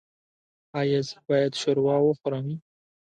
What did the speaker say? ایا زه باید شوروا وخورم؟